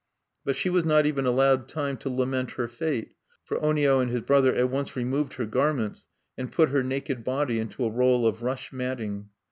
But she was not even allowed time to lament her fate; for Onio and his brother at once removed her garments, and put her naked body into a roll of rush matting.